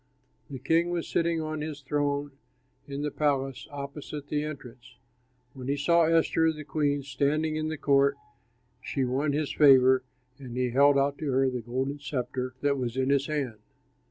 The king was sitting on his throne in the palace, opposite the entrance. When he saw Esther, the queen, standing in the court, she won his favor, and he held out to her the golden sceptre that was in his hand.